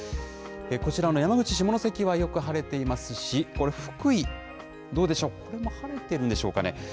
こちらの山口・下関はよく晴れていますし、福井、どうでしょう、ここも晴れてるんでしょうかね。